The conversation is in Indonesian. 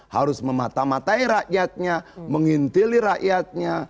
harus mematamatai rakyatnya mengintili rakyatnya